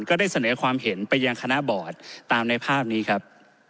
ก็ได้เสนอความเห็นไปยังคณะบอร์ดตามในภาพนี้ครับ